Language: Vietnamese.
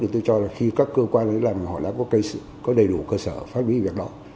thì tôi cho là khi các cơ quan đã có đầy đủ cơ sở phát biểu việc đó